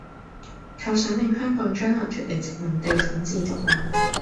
構想令香港將來脫離殖民地統治獨立